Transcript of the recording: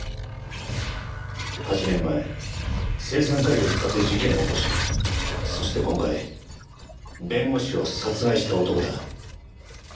８年前青酸カリを使って事件を起こしそして今回弁護士を殺害した男だ。